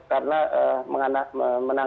karena menangani covid sembilan belas